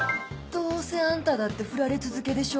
「どうせあんただってフラれ続けでしょ⁉」。